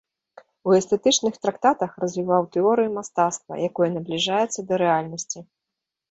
У эстэтычных трактатах развіваў тэорыю мастацтва, якое набліжаецца да рэальнасці.